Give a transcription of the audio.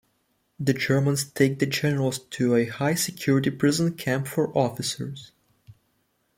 The Germans take the generals to a high-security prison camp for officers.